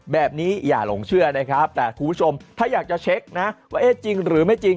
อย่าหลงเชื่อนะครับแต่คุณผู้ชมถ้าอยากจะเช็คนะว่าเอ๊ะจริงหรือไม่จริง